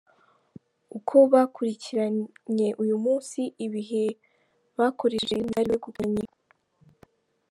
Uko bakurikiranye uyu munsi, ibihe bakoresheje n’imidari begukanye.